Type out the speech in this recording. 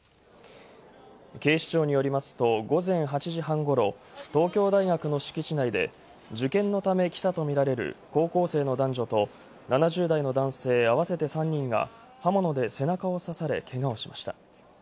警視庁によりますと午前８時半ごろ、東京大学の敷地内で受験のため来たとみられる高校生の男女と７０代の男性合わせて３人が刃物で、背中を刺されけがをしました。